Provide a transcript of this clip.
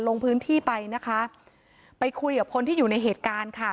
ลงพื้นที่ไปนะคะไปคุยกับคนที่อยู่ในเหตุการณ์ค่ะ